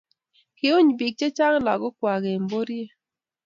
kiuny biik chechang' lagokwak eng' boriet